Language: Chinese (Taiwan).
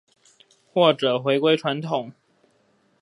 或者回歸傳統